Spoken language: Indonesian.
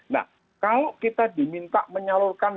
nah kalau kita diminta menyalurkan